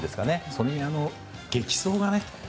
それにあの激走がね。